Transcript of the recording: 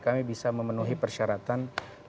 kami bisa memenuhi persyaratan